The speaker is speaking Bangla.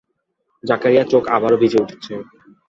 জাকারিয়ার চোখ আবারো ভিজে উঠছে।